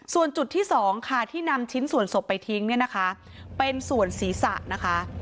ส่วนจุดที่๒ที่นำชิ้นส่วนศพไปทิ้งเป็นส่วนศีรษะ